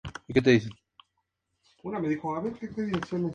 Fue grabado en la Union Station de Los Ángeles.